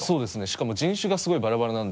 しかも人種がすごいバラバラなんで。